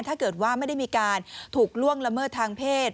ถ้าเกิดว่าไม่ได้มีการถูกล่วงละเมิดทางเพศ